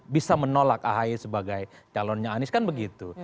bisa menolak ahy sebagai calonnya anies kan begitu